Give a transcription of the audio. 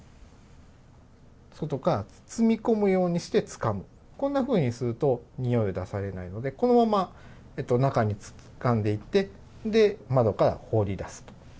外から包み込むようにしてつかむこんなふうにすると臭いを出されないのでこのまま中につかんでいって窓から放り出すと。